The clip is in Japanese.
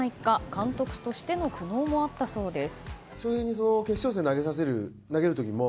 監督としての苦悩もあったそうです。